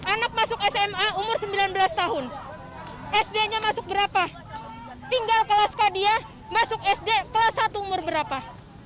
anak masuk sma umur sembilan belas tahun sd nya masuk berapa tinggal kelas kadiah masuk sd kelas satu umur berapa